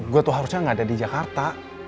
gue tuh harusnya gak ada di jakarta